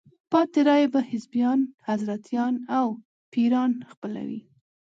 پاتې رایې به حزبیان، حضرتیان او پیران خپلوي.